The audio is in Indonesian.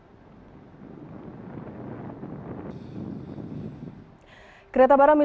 kereta baram militer berubah menjadi penerbangan yang terjadi di bandara halifax